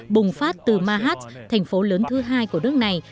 bùng phát từ manhat thành phố lớn thứ hai của nước này